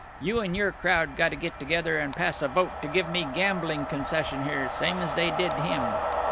You and your crowd gotta get together and pass a vote to give me a gambling concession here, same as they did him.